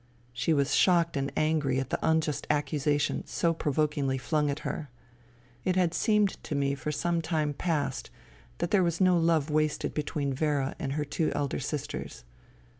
She was shocked and angry at the unjust accusa tion so provokingly flung at her. It had seemed to me for some time past that there was no love wasted between Vera and her two elder sisters.